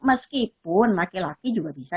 meskipun laki laki juga bisa